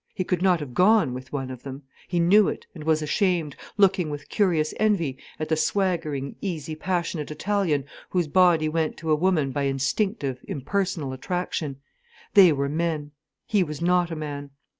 He could not have gone with one of them: he knew it, and was ashamed, looking with curious envy at the swaggering, easy passionate Italian whose body went to a woman by instinctive impersonal attraction. They were men, he was not a man.